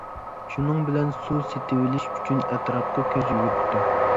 شۇنىڭ بىلەن سۇ سېتىۋېلىش ئۈچۈن ئەتراپقا كۆز يۈگۈرتتۈم.